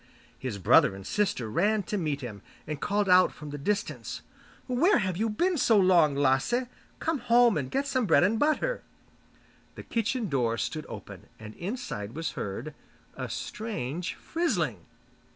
His brother and sister ran to meet him, and called out from the distance, 'Where have you been so long, Lasse? Come home and get some bread and butter.' The kitchen door stood open, and inside was heard a strange frizzling.